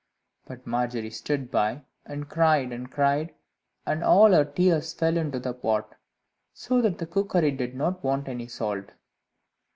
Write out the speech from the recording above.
But Margery stood by, and cried and cried, and all her tears fell into the pot, so that the cookery did not want any salt.